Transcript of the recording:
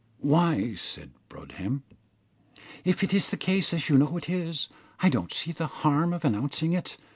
"Why," said Broadhem, "if it is the case, as you know it is, I don't see the harm of announcing it.